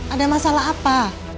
ada masalah apa